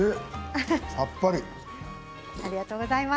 さっぱり。